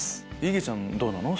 いげちゃんどうなの？